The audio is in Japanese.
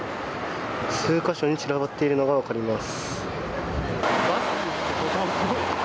数カ所に散らばっているのが分かります。